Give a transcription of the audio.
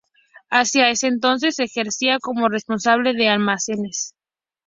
Hacia ese entonces ejercía como responsable de almacenes.